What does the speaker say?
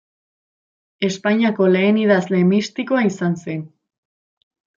Espainiako lehen idazle mistikoa izan zen.